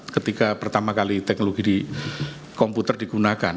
ketika pertama kali teknologi di komputer digunakan